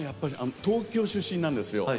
東京出身なんですよ